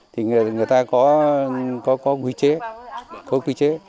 thì người ta có quy chế có quy chế